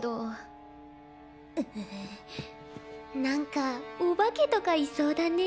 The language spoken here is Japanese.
何かお化けとかいそうだね。